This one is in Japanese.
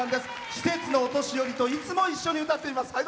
施設のお年寄りといつも一緒に歌っています。